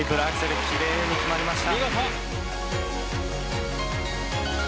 きれいに決まりました。